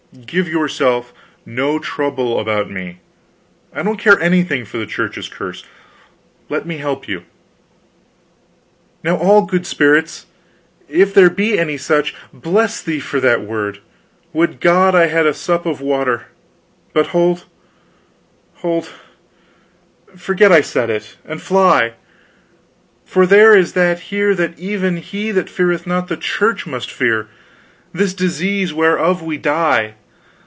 "Give yourself no trouble about me; I don't care anything for the Church's curse. Let me help you." "Now all good spirits if there be any such bless thee for that word. Would God I had a sup of water! but hold, hold, forget I said it, and fly; for there is that here that even he that feareth not the Church must fear: this disease whereof we die.